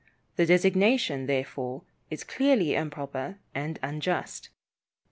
The designation, therefore, is clearly improper and unjust.